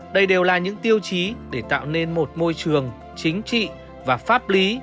đây đều là những tiêu chí để tạo nên một môi trường chính trị và pháp lý